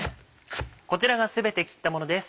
こちらが全て切ったものです。